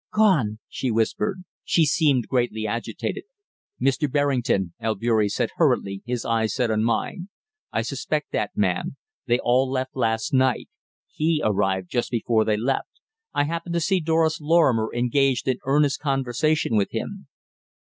"Gone," she whispered. She seemed greatly agitated. "Mr. Berrington," Albeury said hurriedly, his eyes set on mine, "I suspect that man. They all left last night. He arrived just before they left. I happened to see Doris Lorrimer engaged in earnest conversation with him."